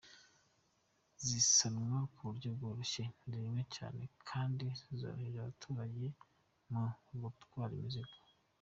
Zisanwa ku buryo bworoshye, ntizinywa cyane kandi zoroheye abaturage mu gutwara imizigo.